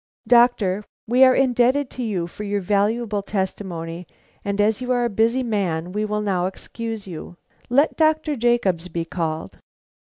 "Doctor, we are indebted to you for your valuable testimony, and as you are a busy man, we will now excuse you. Let Dr. Jacobs be called."